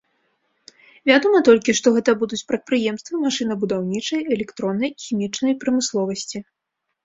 Вядома толькі, што гэта будуць прадпрыемствы машынабудаўнічай, электроннай і хімічнай прамысловасці.